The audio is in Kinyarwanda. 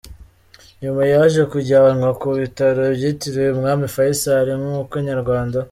Nyuma yaje kujyanwa ku bitaro byitiriwe umwami Faisal nk’uko Inyarwanda.